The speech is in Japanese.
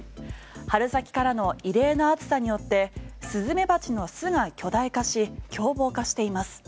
春先からの異例の暑さによってスズメバチの巣が巨大化し凶暴化しています。